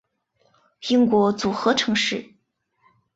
英国组合城市